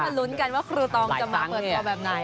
ลุ้นกันว่าครูตองจะมาเปิดตัวแบบไหน